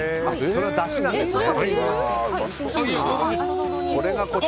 それがだしなんですね。